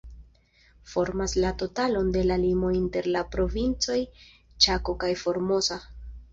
Formas la totalon de la limo inter la Provincoj Ĉako kaj Formosa.